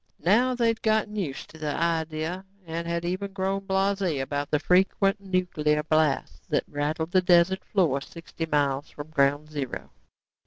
Now they had gotten used to the idea and had even grown blasé about the frequent nuclear blasts that rattled the desert floor sixty miles from ground zero.